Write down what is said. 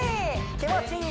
気持ちいい